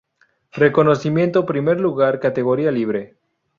Reconocimiento: Primer Lugar, Categoría Libre.